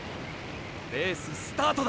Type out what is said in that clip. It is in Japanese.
レーススタートだ！